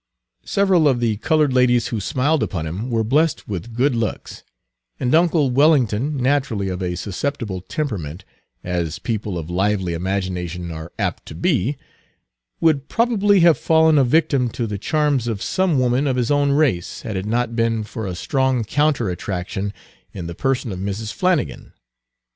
Several of the colored ladies who smiled upon him were blessed with good looks, and uncle Wellington, naturally of a susceptible Page 242 temperament, as people of lively imagination are apt to be, would probably have fallen a victim to the charms of some woman of his own race, had it not been for a strong counter attraction in the person of Mrs. Flannigan.